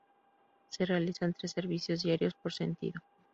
Se realizan tres servicios diarios por sentido.